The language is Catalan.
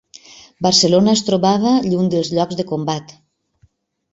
Barcelona es trobava lluny dels llocs de combat